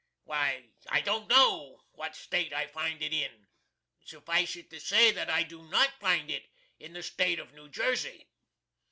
Why I don't know what State I find it in. Suffice it to say, that I do not find it in the State of New Jersey.